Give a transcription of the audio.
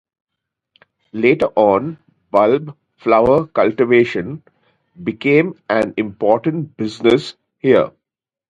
Later on bulb flower cultivation became an important business here.